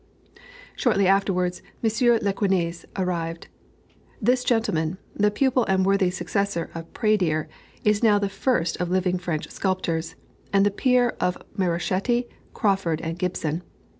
Shortly afterwards Monsieur Lequesne arrived. This gentleman, the pupil and worthy successor of Pradier, is now the first of living French sculptors, and the peer of Marochetti, Crawford, and Gibson.